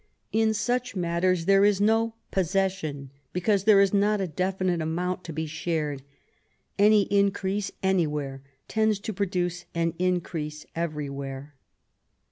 In such matters there is no possession, because there is not a definite amount to be shared; any increase anywhere tends to produce an increase everywhere.